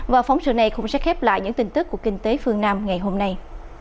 và phóng sự này cũng sẽ khép lại những tin tức của kinh tế phương nam ngày hôm nay